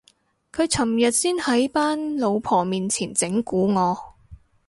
佢尋日先喺班老婆面前整蠱我